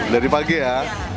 dari pagi ya